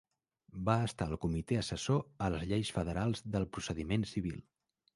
Va estar al Comitè assessor a les lleis federals del procediment civil.